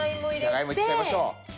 じゃがいもいっちゃいましょう。